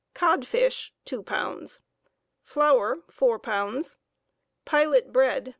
Codfish * 2 pounds. Flour. .>> 4 pounds. Pilot bread